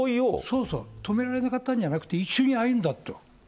そうそう、止められなかったんじゃなくて、一緒に歩んだ。